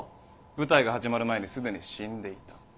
舞台が始まる前に既に死んでいた。